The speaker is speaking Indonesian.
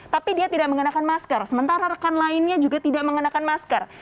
tapi dia tidak mengenakan masker sementara rekan lainnya juga tidak mengenakan masker